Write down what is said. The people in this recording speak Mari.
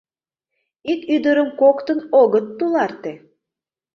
Ик ӱдырым коктын огыт туларте.